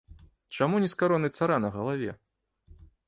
Чаму не з каронай цара на галаве?